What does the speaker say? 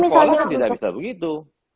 tidak bisa begitu